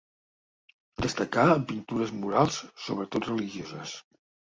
Destacà en pintures murals, sobretot religioses.